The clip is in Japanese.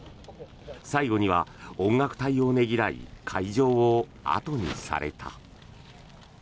最後には音楽隊をねぎらい会場を後にされた。